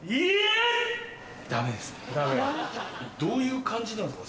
どういう感じなんすか？